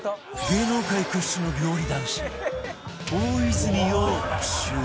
芸能界屈指の料理男子大泉洋襲来